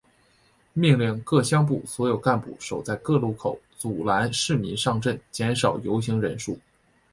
命令各乡镇所有干部守在各路口阻拦市民上镇减少游行人数。